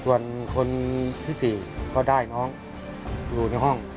ส่วนคนที่๔ก็ได้น้องอยู่ในห้อง